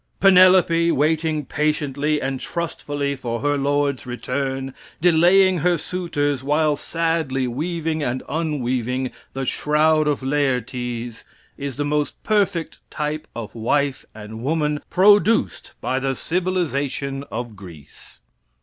Penelope waiting patiently and trustfully for her lord's return, delaying her suitors, while sadly weaving and un weaving the shroud of Laertes, is the most perfect type of wife and woman produced by the civilization of Greece.